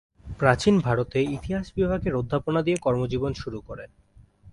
প্রাচীন ভারতে ইতিহাস বিভাগের অধ্যাপনা দিয়ে কর্মজীবন শুরু করেন।